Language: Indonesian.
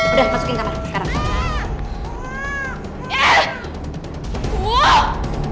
udah masukin kamar sekarang